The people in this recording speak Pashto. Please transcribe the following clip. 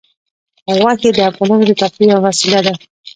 غوښې د افغانانو د تفریح یوه وسیله ده.